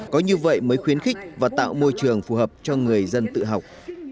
có như vậy mới khuyến khích và tạo môi trường phù hợp cho người dân tự học